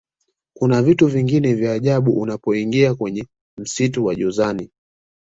kuna vitu vingi vya ajabu unapoingia kwenye msitu wa jozani